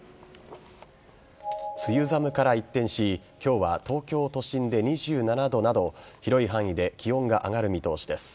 梅雨寒から一転し今日は東京都心で２７度など広い範囲で気温が上がる見通しです。